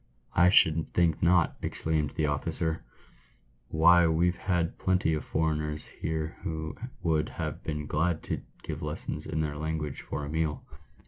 " I should think not!" exclaimed the officer. ""Why, we've had plenty of foreigners here who would have been glad to give lessons in their language for a meal."